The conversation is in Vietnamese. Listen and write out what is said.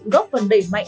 góp phần đẩy mạnh